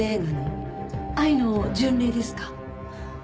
『愛の巡礼』ですか？